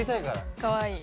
かわいい。